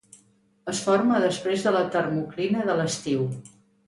Es forma després de la termoclina de l'estiu.